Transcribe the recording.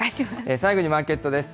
最後にマーケットです。